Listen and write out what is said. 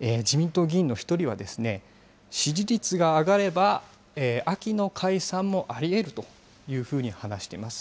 自民党議員の１人は、支持率が上がれば、秋の解散もありえるというふうに話しています。